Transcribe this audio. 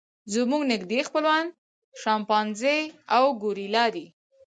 زموږ نږدې خپلوان شامپانزي او ګوریلا دي.